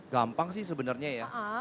gampang sih sebenarnya ya